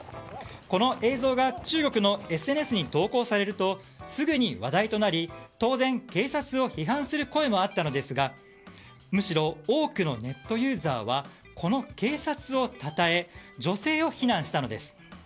この映像が中国のＳＮＳに投稿されるとすぐに話題となり当然警察を批判する声もあったのですがむしろ多くのネットユーザーはこの警察をたたえ女性を非難したのです。